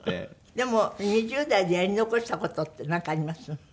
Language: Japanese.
でも２０代でやり残した事ってなんかあります？